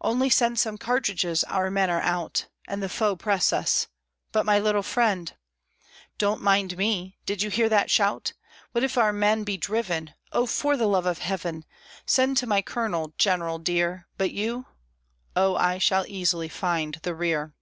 Only send Some cartridges: our men are out; And the foe press us." "But, my little friend " "Don't mind me! Did you hear that shout? What if our men be driven? Oh, for the love of Heaven, Send to my Colonel, General dear!" "But you?" "Oh, I shall easily find the rear."